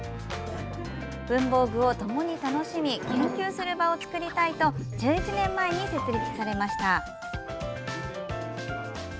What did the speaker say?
文房具をともに楽しみ研究する場を作りたいと１１年前に設立されました。